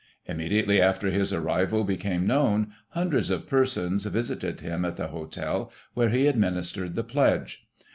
Immediately after his arrival became known, hundreds of persons visited him at the hotel, where he administered the pledge.